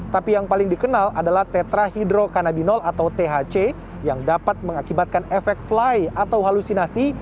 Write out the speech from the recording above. tapi yang paling dikenal adalah tetrahidrokanabinol atau thc yang dapat mengakibatkan efek fly atau halusinasi